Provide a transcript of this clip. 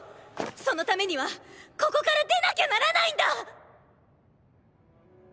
そのためにはここから出なきゃならないんだ！